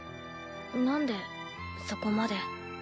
なんでそこまで。